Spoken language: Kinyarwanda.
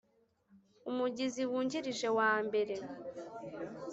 Umugizi wungirije wa mbere